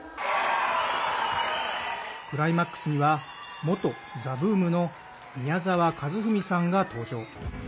クライマックスには元ＴＨＥＢＯＯＭの宮沢和史さんが登場。